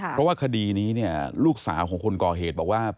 เพราะว่าคดีนี้เนี่ยลูกสาวของคนก่อเหตุบอกว่า